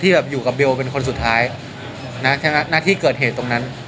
ที่อยู่กับเบลเป็นคนสุดท้ายหน้าที่เกิดเหตุตรงนั้น